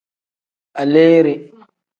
Aleere.